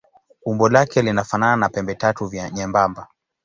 Umbo lake linafanana na pembetatu nyembamba.